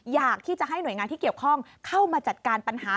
อยากที่จะให้หน่วยงานที่เกี่ยวข้องเข้ามาจัดการปัญหา